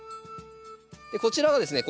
こちらがですね